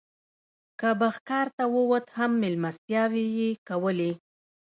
که به ښکار ته ووت هم مېلمستیاوې یې کولې.